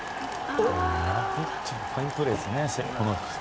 ファインプレーですね。